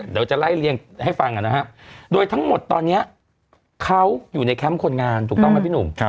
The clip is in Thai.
เดี๋ยวจะไล่เรียงให้ฟังนะครับโดยทั้งหมดตอนนี้เขาอยู่ในแคมป์คนงานถูกต้องไหมพี่หนุ่ม